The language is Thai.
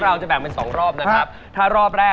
เขามองต้องมองสมแภ